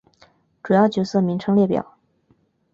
主要角色名称列表。